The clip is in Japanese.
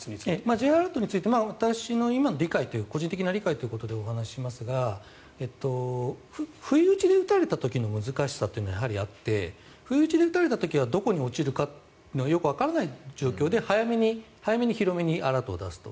Ｊアラートについて私の今の個人的な理解ということでお話ししますが不意打ちで撃たれた時の難しさというのはやはりあって不意打ちで撃たれた時はどこに落ちるかよくわからない状況で早めに広めにアラートを出すと。